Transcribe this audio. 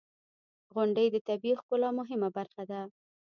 • غونډۍ د طبیعی ښکلا مهمه برخه ده.